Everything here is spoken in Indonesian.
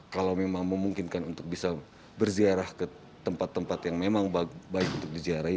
kalau memang memungkinkan untuk bisa berziarah ke tempat tempat yang memang baik untuk diziarai